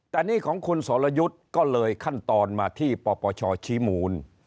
แต่นี่ของคุณสรยุทธ์ก็เลยขั้นตอนมาที่ปปชชี้มูล